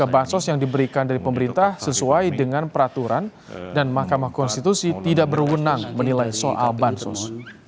bansos yang diberikan dari pemerintah sesuai dengan peraturan dan mahkamah konstitusi tidak berwenang menilai soal bansos